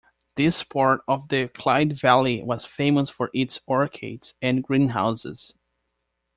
This part of the Clyde Valley was famous for its orchards and greenhouses.